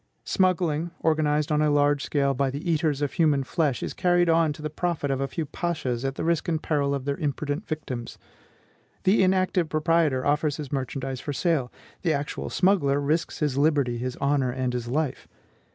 Smuggling, organized on a large scale by the eaters of human flesh, is carried on to the profit of a few pashas at the risk and peril of their imprudent victims. The inactive proprietor offers his merchandise for sale; the actual smuggler risks his liberty, his honor, and his life.